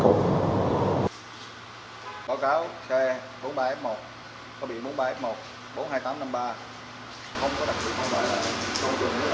không có đặc biệt không phải là không đúng không phải là đúng sao